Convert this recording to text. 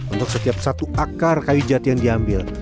untuk setiap satu akar kayu jati yang diambil